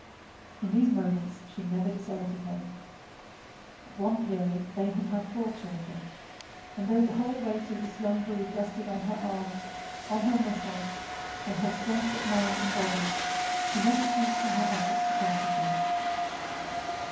In these moments she never deserted him. At one period they had had four children, and though the whole weight of this young brood rested on her arms, on her muscles, on her strength of mind and body, she never ceased in her efforts to comfort him.